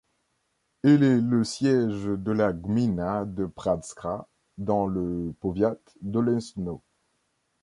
Elle est le siège de la gmina de Praszka, dans le powiat d'Olesno.